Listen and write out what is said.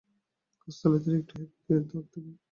গাছতলায় দাঁড়িয়ে একটু হ্যাঁক দিয়ে দাখ দেখি।